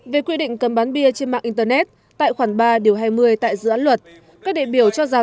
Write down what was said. về quy định của luật thương mại việc quy định tại khoản hai